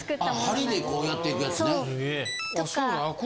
針でこうやっていくやつね。